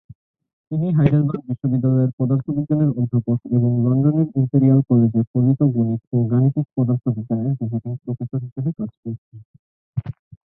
তিনি হাইডেলবার্গ বিশ্ববিদ্যালয়ের পদার্থবিজ্ঞানের অধ্যাপক এবং লন্ডনের ইম্পেরিয়াল কলেজে ফলিত গণিত ও গাণিতিক পদার্থবিজ্ঞানের ভিজিটিং প্রফেসর হিসেবে কাজ করছেন।